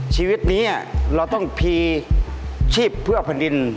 ชีวิตนี้เราต้องพีชีพเพื่อแผ่นดิน